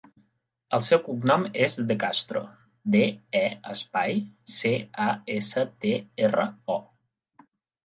El seu cognom és De Castro: de, e, espai, ce, a, essa, te, erra, o.